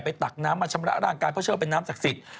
ตักน้ำมาชำระร่างกายเพราะเชื่อว่าเป็นน้ำศักดิ์สิทธิ์